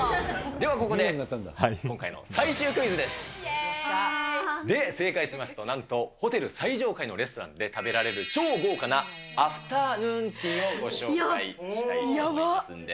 ではここで、今回の最終クイよっしゃ。で、正解しますと、なんとホテル最上階のレストランで食べられる超豪華なアフタヌーンティーをご招待したいと思いますんで。